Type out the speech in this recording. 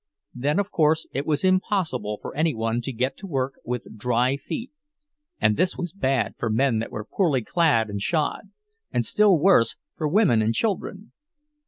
Then, of course, it was impossible for any one to get to work with dry feet; and this was bad for men that were poorly clad and shod, and still worse for women and children.